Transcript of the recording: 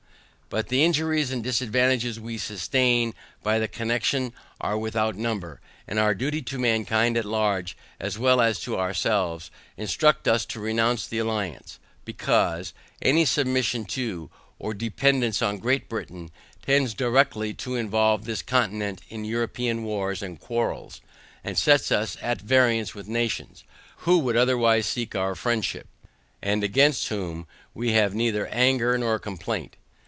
But the injuries and disadvantages we sustain by that connection, are without number; and our duty to mankind at large, as well as to ourselves, instruct us to renounce the alliance: Because, any submission to, or dependance on Great Britain, tends directly to involve this continent in European wars and quarrels; and sets us at variance with nations, who would otherwise seek our friendship, and against whom, we have neither anger nor complaint.